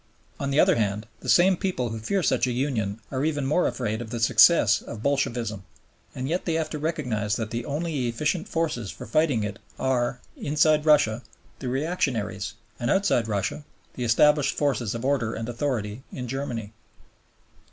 On the other hand, the same people who fear such a union are even more afraid of the success of Bolshevism; and yet they have to recognize that the only efficient forces for fighting it are, inside Russia, the reactionaries, and, outside Russia, the established forces of order and authority in Germany.